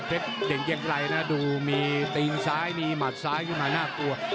เด่นเกียงไกรนะดูมีตีนซ้ายมีหมัดซ้ายขึ้นมาน่ากลัว